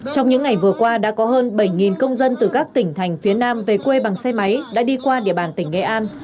bảy công dân từ các tỉnh thành phía nam về quê bằng xe máy đã đi qua địa bàn tỉnh nghệ an